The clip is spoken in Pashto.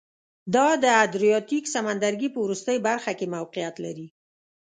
دا د ادریاتیک سمندرګي په وروستۍ برخه کې موقعیت لري